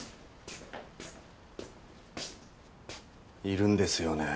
いるんですよね。